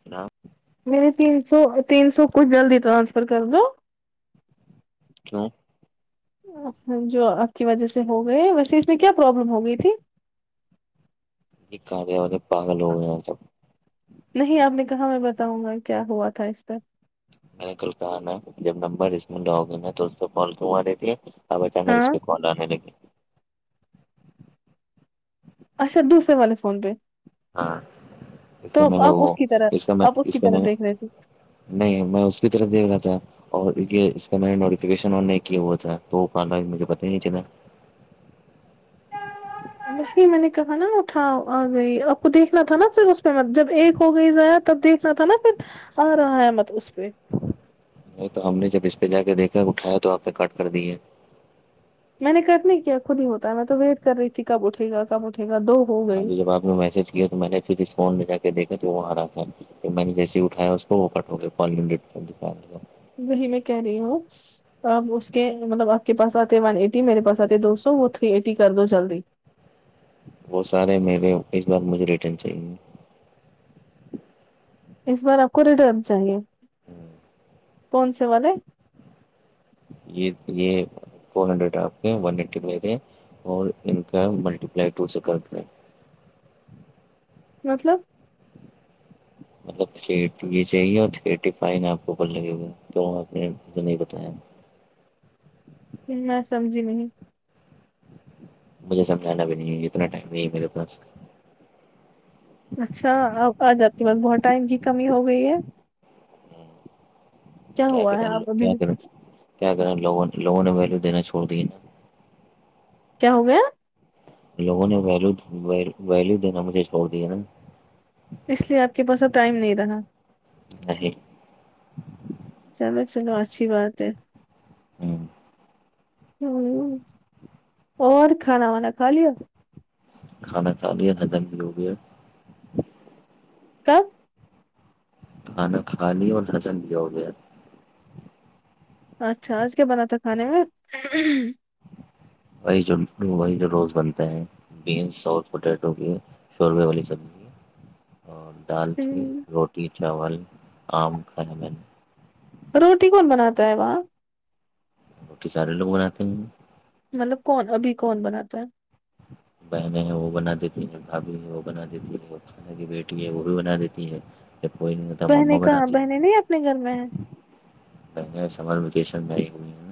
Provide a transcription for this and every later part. سناؤ میرے تین سو تین سو کچھ جلدی ٹرانسفر کر دو کیوں اچھا جو آپ کی وجہ سے ہو گئے ویسے اس میں کیا پرابلم ہو گئی تھی یہ ک [unintelligible] ے اورے پاگل ہو گیا سب نہی آب میں تمہارا بتاو گا کیا ہوا تھا اس پہ میں نے کل کہا نا جب نمبر اس میں لا گئے ن تو اس پ کال کروا رہی تھی اب چانگ ہاں اس پہ کال انے لگے اچھا دوسرے والے فون پہ ہاں اس کا تو میں نے آپ اس وہ کی کا میں طرح آپ اس کی کا طرح میں نے دیکھ رہے تھے نہیں میں اس کی طرف دیکھ رہا تھا اور یہ اس کانے نوفیشن ان نہیں کیا ہوا تھا تو آن لائن ہے مجھے پتا ہی نہیں چلا وہی میں نے کہا نا اٹھاو آ گئی آپ کو دیکھنا تھا نا پھر اس کا ہے جب ایک ہو گئی ضائع تب دیکھ تھا نا پھر آ رہا ہے مت اس پہ نہیں تو ہم نے جب اس پے جا کے دیکھا اٹھایا تو آپ نے کٹ دیے میں نے کرنے کیا خود ہی ہوتا ہے میں تو ویٹ کر رہی تھی کب اٹھے گا کب اٹھے گا دو ہو گئی اس کے بعد میں میسج کیا تو میں نے فتیس فون میں جا کے دیکھے تو وہاں رہا تھا تو میں نے جیسے اٹھایا اس کو وہ کٹ ہو گے [unintelligible] وہی میں کہہ رہی ہوں تو آپ اس کے مطلب آپ کے پاس آتے ون ایٹی میرے پاس آتے دو سو وہ تھری ایٹی کر دو جلدی وہ سارے میرے اس بار مجھے ریٹرن چاہیے اس بار آپ کو ریٹرن چاہیے کون سے والے یے تو یے فور ہنڈریڈ آپ کے ون ای ٹی میرے لے اور ان کا ملٹیپلائی ٹو سے کر دیں مطلب مطلب تھری ای یے چاہیے اور تھ ای فائیو آپ کو ب لگے ہوگا جو آپ نے مجھے نہیں بتایا میں سمجھی نہیں مجھے سمجھانا بھی نہیں اتنا ٹائم نہیں ہے میرے پاس اچھا آج آپ کے پاس بہت ٹائم کی کمی ہو گئی ہے کیا ہوا ہے کریں آپ ابھی کیا کریں کیا کریں لگوں نے لوگوں نے ویلیو دے نا چھوڑ دیا نا کیا ہو گیا لوگوں نے ویلو ویلو دینا مجھے چھوڑ دیا نا اس لیے آپ کے پاس اب ٹائم نہیں رہا نہیں چلو چلو اچھی بات ہے ہاں اور کھانا وانا کھا لیا کھانا کھا لیا ہضم بھی ہو گیا کب کھانا کھالیے اور ہضم بھی ہوگیا اچھا آج کیا بناتھا کھانے میں وہی جو وہی جو روز بنتے ہیں بینس اور پوٹیٹو کے شوربے والی سبزی اور دال تھی روٹی چاول آم کھانے میں نے روٹی کون بناتا ہے وہاں توک سارے لوگ بناتے ہیں مطلب کون ابھی کون بناتا ہے بہنیں ہیں وہ بنا دیتی ہیں بھابھی ہیں وہ بنا دیتی ہے خالہ کی بیٹی ہے وہ بھی بنا دیتی ہے جب کوئی نہیں رہتا بہنیں مما کہاں بناتی بہنیں نہیں اپنے گھر میں ہے پہلے سمر ویکیشن پر ائی ہیں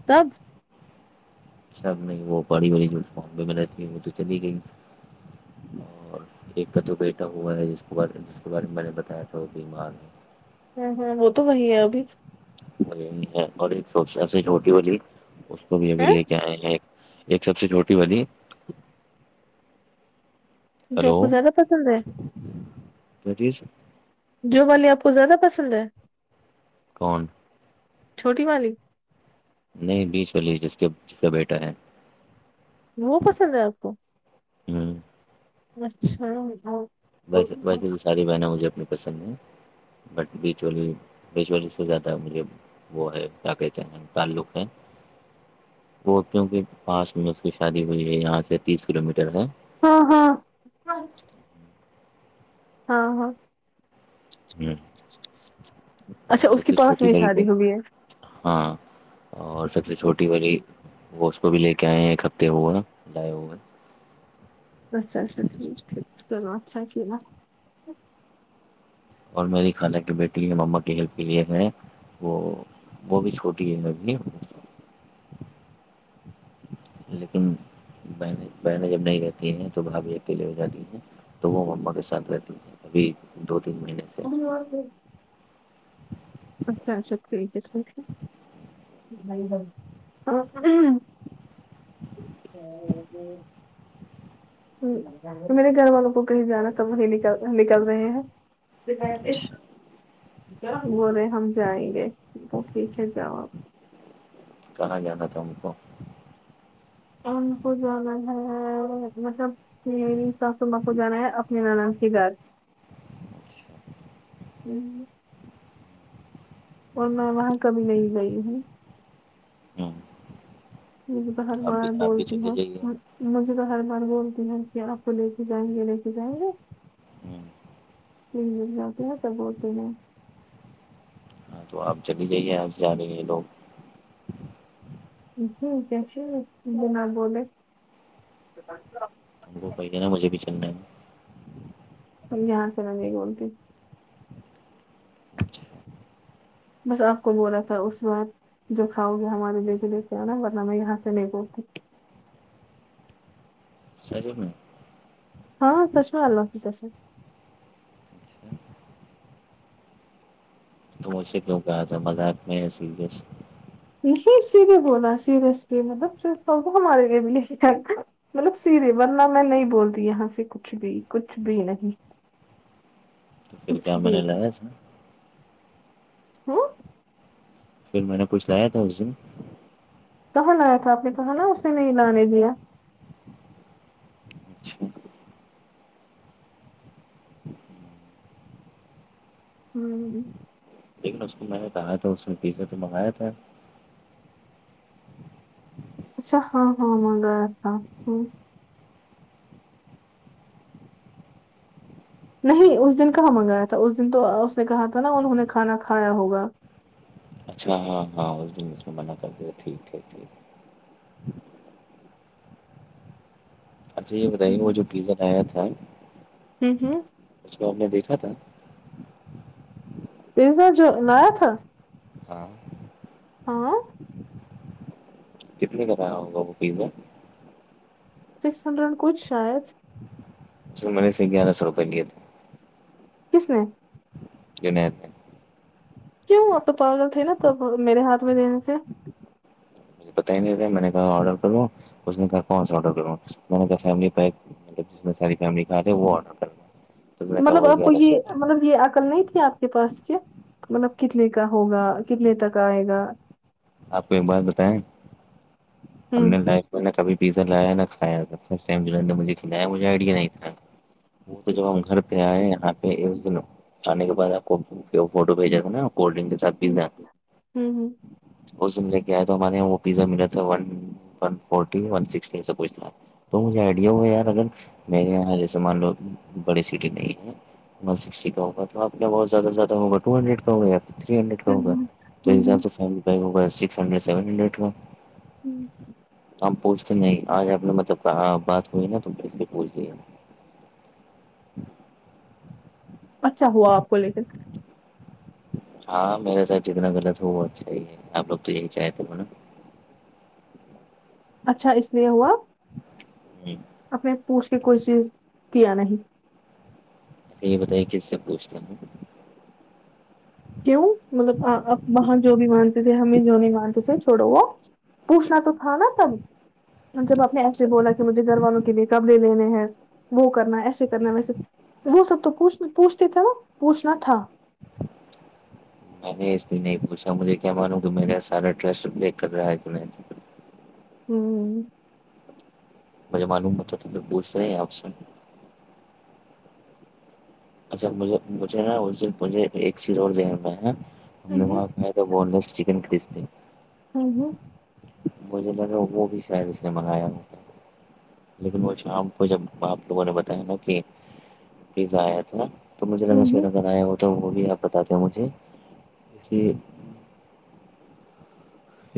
سب سب نہیں وہ بڑی والی جو [unintelligible] ہے وہ تو چلی گئی اور ایک بچوں بیٹا ہوا ہے جس کو بارے جس کے بارے میں میں نے بتایا تھا وہ بیمار ہے ہمم ہمم وہ تو وہی ہے ابھی ہے اور ایک سوچے سے روٹی والی اس کو بھی ابھی ہے لے کے آئے ہیں ایک سب سے چھوٹی والی جو آپ ہلو کو زیادہ پسند ہے کیا چیز جو والی آپ کو زیادہ پسند ہے کون چھوٹی والی نہیں بیچ والی جس کے جس کا بیٹا ہے وہ پسند ہے آپ کو ہمم اچھا ہاں س ویسے تو ساری بہنیں مجھے اپنی پسند ہیں بٹ بیچ والی بیچ والی سو جاتا ہے مجھے وہ ہے کیا کہتے ہیں تعلق ہے وہ کینکی پاس میں اس کی شادی ہوئی ہے یہاں سے تیس کلو میٹر ہے ہاں ہاں ہاں ہاں ہمم اور اچھا اس سب کے سے پاس چھوٹی میں والی کو شادی ہوئی ہے ہاں اور سب سے چھوٹی والی وہ اس کو بھی لے کے آئے ہیں ایک ہفتے ہوا لائے ہوئے اچھا اچھا ٹھیک ہے چلو اچھا کیا اور میری خالا کی بیٹی یا مما کی ہیلپ کے لیے ہے وہ وہ بھی چھوٹی ہے [unintelligible] لیکن بہنیں بہنیں جب نہیں رہتی ہیں تو بھابی اکیلے ہو جاتی ہیں تو وہ مما کے ساتھ رہتی ہیں ابھی دو تین مہینے سے [unintelligible] [unintelligible] [unintelligible] میرے گھر والوں کو کہیں جانا تو وہی نک نکل رہے ہیں بول رہے ہم جائیں گے تو تو ٹھیک ہے جائو اپ کہاں جانا تھا ان کو ان کو جانا ہے مطلب میری ساسو ماں کو جانا ہے اپنے نانند کے گھر اچھا ہمم اور میں وہاں کبھی نہیں گئی ہوں ہوں مھجے تو ہر آپ بھی بار آپ بھی بولتی چلے ہیں جائیے مجھے تو ہر بار بولتی ہیں کی آپ کو لے کے جائیں گے لے کے جائیں گے ہمم نہیں لیکر جاتی ہے پر بولتی ہیں ہاں تو آپ چلی جائیے اج جارے یے لوگ جی کسے بینا بولے [unintelligible] یہاں سے ممی کو بولتی ہو اچھا بس آپ کو بولا تھا اس بار جو کاؤ گی ہمارے لیے بھی لیکے انا ورنہ میں یہاں سے نہیں بولتی سچ میں ہاں سچ مے اللہ کی قسم تو؀مجھ سے کیوں کہا تھا مذاق میں ہے سریس [unintelligible] مطلب سیدھے ورنہ میں نہیں بولتی یہاں سے کچھ بھی کچھ بھی نہیں تو پھر کچھ کیا میں بھی نے لایا تھا ہ فیر میں نے کچھ لایا تھا اس دن کہاں لایا تھا آپ نے کہاں نا اس نے نہیں لانے دیا اچھا ہمم لیکن اس کو میں نے بتایا تھا اسے پیزا تو منگایا تھا اچھا ہاں ہاں مگیا تھا ہ نہیں اس دن کہاں منگایا تھا اس دن تو اس نے کہا تھا نا انہوں نے کھانا کھایا ہوگا اچھا ہاں ہاں اس دن اس میں منع کر د ٹھیک ہے ٹھیک ہے اچھا یے بتائیے وہ جو پیزا لایا تھا ہمم ہمم اس کو آپ نے دیکھا تھا پیزا جو نایا تھا ہاں ہاں کتنے کا تھا یا ہوگا وہ پیزا سکس ہنڈریڈ کچھ شاید منے سے گیارہ سو روپئے لیے تھے کس نے دن اتے ہیں کیوں ہو تو پاگل تھے نا تب میرے ہاتھ میں دینے سے پتا ہی نہیں تھا نا میں نے کہا ارڈر کروں اس نے کہا کون سا اڈر کروں میں نے کہا فیملی پیک مطلب جس میں ساری فیملی کھاجاے وہ ارڈر کرنا تو اس نے کہا مطلب وہ اپ کو گیارہ سو یہ روپئے مطلب یہ عقل نہیں تھی اپ کو کے پاس کیا مطلب کتنے کا ہوگا کتنے تک ائے گا آپ کو ایک بات بتائیں ہم ہوں نے لائق میں نے کبھی پیزا لایا نا کھایا تھا فرسٹ ٹائم مھے کھلایا مجھے ائیڈیا نہیں تھا وہ تو جو ہم گھر پہ ائے ان پہ ایز ن آنے کے بعد آپ کو فوٹو بھیجا کولڈنگ ہ ہوں ہوں اس دن لے کے ایا تھا میں نے وہ پیزا ملا تھا one one forty one sixty ایسا کچھ تھا تو مجھے ائیڈیا ہوا یار اگر مے یہاں جیسے مان لو بڑی سیٹییں نہیں ہیں ون سکسٹی کاہوگا تو اپ نے کہا بہت زیادہ سے زیادہ ہوگاٹو ہنڈریڈ کا ہوگا یار تری ہنڈریڈ کا ہوگا ہوں تو حساب ہوں سے فم ہوگا سکس ہڈریڈ سیون ہنڈریڈ کا ہوں ہم پوچھتے نہیں آج آپ نے مطلب بات ہوئی نا تو اس لیے پوچھ لیا اچھا ہوا آپ کو لے کر ہاں میرے ساتھ جتنا غلط ہو وہ اچھا ہی ہے اپ لوگ تو یہی چاہے تھے نا اچھا اس لیے ہوا ہوں، اپنے پوچھ کے کوئی چیز کیا نہیں تو یہ بتائیے کس سے پوچھتے ہم کیوں مطلب وہاں جو بھی مانتے تھے ہمیں جو نہیں مانتے تھے چھوڑو وہ پوچھنا تو تھا نا تب جب آپ نے ایسے بولا کہ مجھے گھر والوں کے لیے کپڑے لینے ہیں وہ کرنا ایسے کرنا ویسے وہ سب تو پوچھ پوچھتے تھے نا پوچھنا تھا میں نے اس لیے نہیں پوھا مجھے کیا معلوم کہ میرا سارا ٹرسٹ دیک کر رہا ہے تو نہیں ہوں مجھے معلوم ہوتا تو پوچھتا میں اپ سے اچھا مجھے مجھے نا اس دن مجھے ایک چیز اور ذہن میں ہے ہم نے ہوں وہاں بونلیس چکن کیسی تھی بڑھیا مجھے لگا وہ بھی شاید اس نے منگایا لیکن وہ شام کو جب اپ لوگوں نے بتایا نا کہ پیزا ایا تھا تو مجھے ہوں ہوں لگا [unintelligible]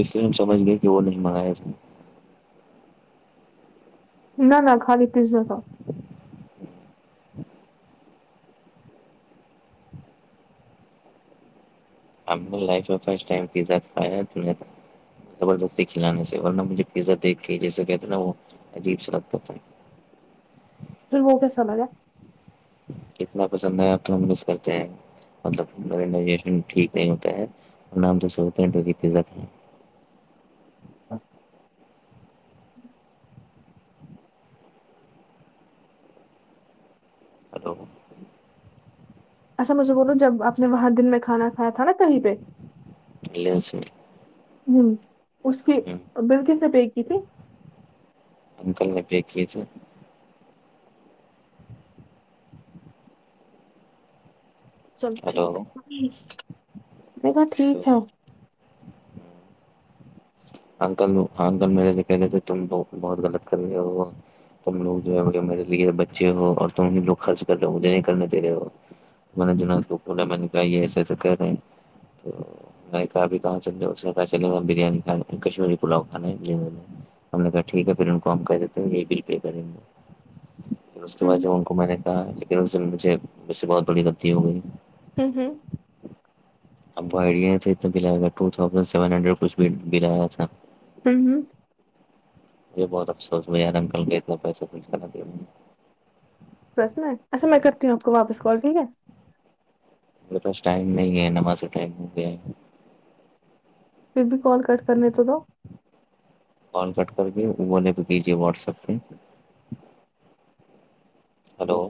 اس لیے ہم سمجھ گئے کہ وہ نہیں منگایا جائے نہ نہ خالی تیزا تھا ہم لائف میں فسٹ ٹائم پیزا کھایا تھوڑا تھا زبردستی کھلانے سے ورنہ مجھے پیزا دیکھ کے ہی وہ کہتے نا وہ عجیب سا لگتا تھا تووکے سا با کتنا پسند ہے آپ کو مس کرتے ہیں مطلب میریشن ٹھیک نہیں ہوتا ہے اور ہم تو سوتے ہیلو اچھا مجھے بولو جب اپنے وہاں دن میں کھانا کھایا تھا نا کہیں پے الس میں ہمم اس کی بل کس نے پے کی تھی انکل نے پے کی تھی سب ہلو ٹھیک ہے میں کا ہلو ٹھیک ہے انکل آنکل میں جاکے کہہ رہے تھے تم تو بہت غلط کر رہے ہو تم لوگ جو ہے مجھے میرے لیے بچے ہو اور تم ہی لوگ خرچ کر رہو مجھے نہیں کرنے دے رہے ہو مینے جنید کو بولا میں نے کہا یے ایسے ایسے کہہ رہے ہیں میں نے کہا ابھی چلرہے ہو اس نے کہاں چلو ہم بریانی کھانے کشمیری پلاؤ کھانے ہے ہم نے کہا ٹھیک ہے پھر ان کو ہم کہے دیتے ہے یے بل پے کریں گے پھر اس کے بعد ہوں سے ان کو میں نے کہا لیکن اس دن مجھے مجھ سے بہت بڑی غلطی ہو گئی ہمم ہمم اب بیٹھ گئے تھے اتے بل ایا ٹو تھوسند سیون ہنڈریڈ کچھ کی بل آیا تھا ہمم ہمم یے بہت افسوس یار انکل کے اتنا پیسہ کچھ خرچ کرا دیا دس منٹ اچھا میں کرتی ہوں اپکو واپس کال ٹھیک ہے میرے پاس ٹائم نہیں ہے نماز ٹائم ہو گیا ہے پھر بھی کال کٹ کرنے تو دو کال کٹ کر کے ون اپپی کیجیے واٹسپ پے ہلو